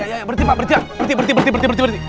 ya ya ya berhenti pak berhenti berhenti berhenti berhenti